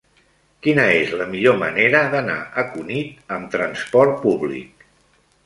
Quina és la millor manera d'anar a Cunit amb trasport públic?